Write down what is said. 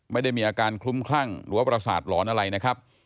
ไม่ได้มีอาการคลุ้มคลั่งหรือว่าประสาทหลอนอะไรนะครับ